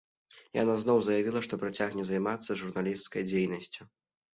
Яна зноў заявіла, што працягне займацца журналісцкай дзейнасцю.